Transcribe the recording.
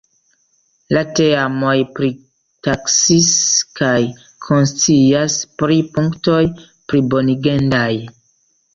La teamoj pritaksis kaj konscias pri punktoj plibonigendaj.